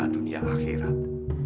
celaka dunia akhirat